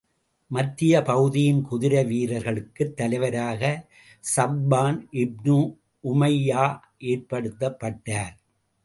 மத்தியப் பகுதியின் குதிரை வீரர்களுக்குத் தலைவராக ஸப்வான் இப்னு உமையா ஏற்படுத்தப் பட்டார்.